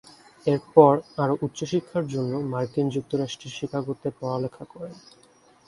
এরপর আরও উচ্চ শিক্ষার জন্য মার্কিন যুক্তরাষ্ট্রের শিকাগোতে পড়ালেখা করেন।